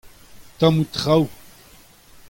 tammoù traoù.